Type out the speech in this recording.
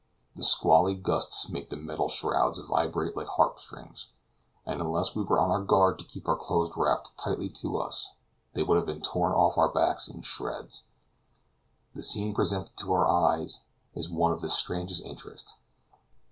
The squally gusts make the metal shrouds vibrate like harp strings; and unless we were on our guard to keep our clothes wrapped tightly to us, they would have been torn off our backs in shreds. The scene presented to our eyes is one of strangest interest.